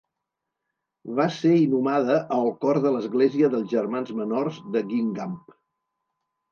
Va ser inhumada al cor de l'església dels germans Menors de Guingamp.